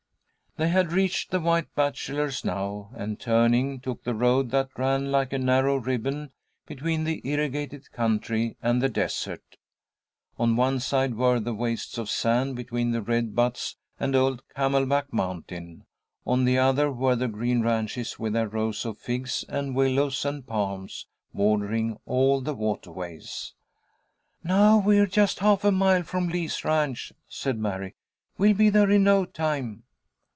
They had reached the White Bachelor's now, and turning, took the road that ran like a narrow ribbon between the irrigated country and the desert. On one side were the wastes of sand between the red buttes and old Camelback Mountain, on the other were the green ranches with their rows of figs and willows and palms, bordering all the waterways. "Now we're just half a mile from Lee's ranch," said Mary. "We'll be there in no time."